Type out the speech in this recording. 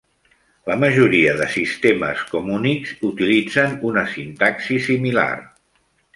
La majoria de sistemes com Unix utilitzen una sintaxi similar.